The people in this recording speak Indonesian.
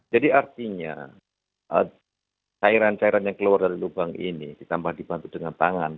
artinya cairan cairan yang keluar dari lubang ini ditambah dibantu dengan tangan